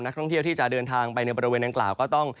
ท่องเที่ยวที่จะเดินทางไปในบริเวณดังกล่าวก็ต้อง